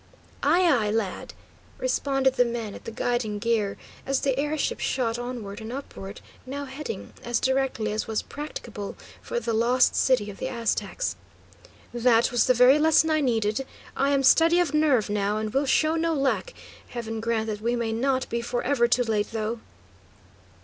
"Ay, ay, lad," responded the man at the guiding gear, as the air ship shot onward and upward, now heading, as directly as was practicable, for the Lost City of the Aztecs. "That was the very lesson I needed. I am steady of nerve, now, and will show no lack, heaven grant that we may not be for ever too late, though!"